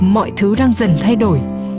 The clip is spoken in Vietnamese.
mọi thứ đang dần thay đổi